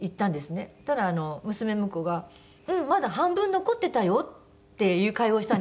そしたら娘婿が「うん。まだ半分残ってたよ」っていう会話をしたんです。